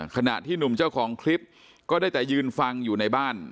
ขณะที่หนุ่มเจ้าของคลิปก็ได้แต่ยืนฟังอยู่ในบ้าน